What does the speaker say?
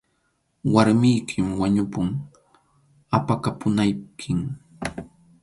Warmiykim wañupun, apakapunaykim.